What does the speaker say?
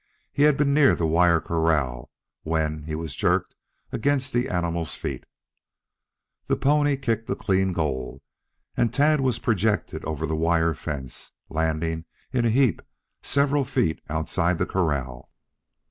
He had been near the wire corral when he was jerked against the animal's feet. The pony kicked a clean goal and Tad was projected over the wire fence, landing in a heap several feet outside the corral.